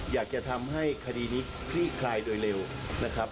อยากจะทำให้คดีนี้คลี่คลายโดยเร็วนะครับ